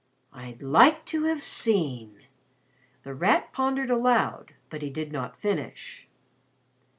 "I'd like to have seen " The Rat pondered aloud, but he did not finish.